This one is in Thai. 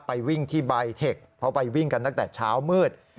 ไปวิ่งที่ใบเทคเพราะไปวิ่งกันตั้งแต่เช้ามืด